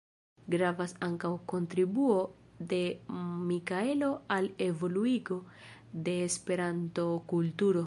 Gravas ankaŭ kontribuo de Mikaelo al evoluigo de Esperanto-kulturo.